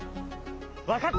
わかった！